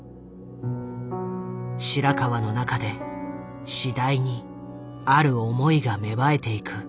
白川の中で次第にある思いが芽生えていく。